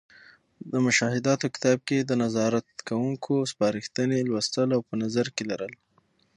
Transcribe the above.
د مشاهداتو کتاب کې د نظارت کوونکو سپارښتنې لوستـل او په نظر کې لرل.